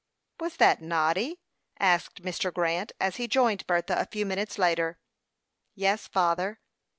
"Was that Noddy?" asked Mr. Grant, as he joined Bertha a few minutes later. "Yes, father."